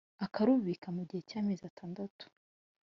akarubika mu gihe cy’amezi atandatu